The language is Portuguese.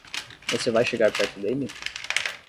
Você vai chegar perto dele?